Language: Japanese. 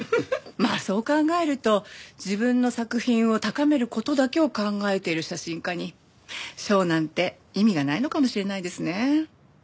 まあそう考えると自分の作品を高める事だけを考えてる写真家に賞なんて意味がないのかもしれないですね。